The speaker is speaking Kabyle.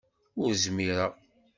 Ur zmireɣ.